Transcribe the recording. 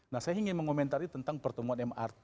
nah saya ingin mengomentari tentang pertemuan mrt